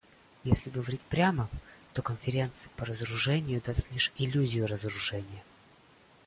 Если говорить прямо, то Конференция по разоружению создает лишь иллюзию разоружения.